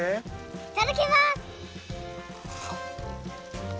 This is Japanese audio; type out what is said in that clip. いただきます！